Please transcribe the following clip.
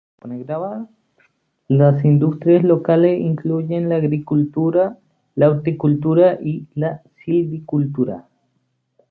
Las industrias locales incluyen la agricultura la horticultura y la silvicultura.